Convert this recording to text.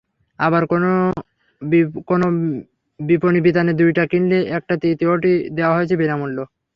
আবার কোনো কোনো বিপনীবিতানে দুইটা কিনলে একটা তৃতীয়টি দেওয়া হয়েছে বিনামূল্যে।